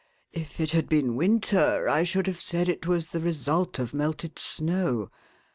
If it had been winter, I should have said it was the result of melted snow.